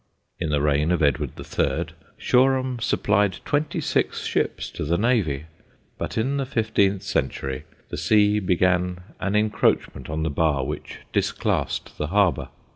In the reign of Edward III. Shoreham supplied twenty six ships to the Navy: but in the fifteenth century the sea began an encroachment on the bar which disclassed the harbour.